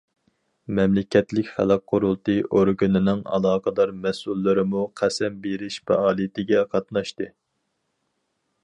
مەملىكەتلىك خەلق قۇرۇلتىيى ئورگىنىنىڭ ئالاقىدار مەسئۇللىرىمۇ قەسەم بېرىش پائالىيىتىگە قاتناشتى.